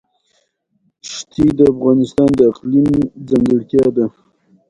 ښتې د افغانستان د اقلیم ځانګړتیا ده.